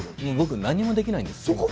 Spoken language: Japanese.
何もできないんです。